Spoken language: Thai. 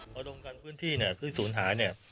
พอดมกันพื้นที่เนี่ยพื้นศูนย์หายเนี่ย